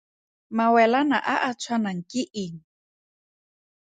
Mawelana a a tshwanang ke eng?